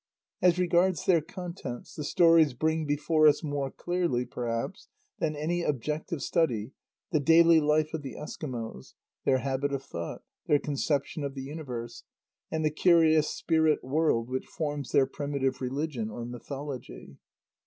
As regards their contents, the stories bring before us, more clearly, perhaps, than any objective study, the daily life of the Eskimos, their habit of thought, their conception of the universe, and the curious "spirit world" which forms their primitive religion or mythology.